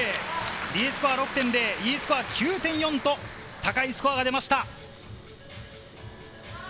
Ｄスコア６．０、Ｅスコア９．４と高いスコアが出ました。